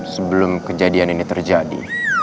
sebelum kejadian ini terjadi